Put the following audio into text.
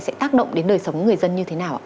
sẽ tác động đến đời sống người dân như thế nào ạ